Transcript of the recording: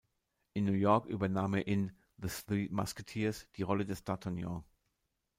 In New York übernahm er in "The Three Musketeers" die Rolle des D’Artagnan.